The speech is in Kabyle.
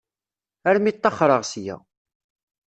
Armi ṭṭaxreɣ ssya.